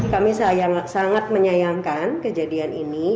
kami sangat menyayangkan kejadian ini